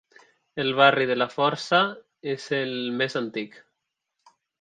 El barri de la Força és el més antic.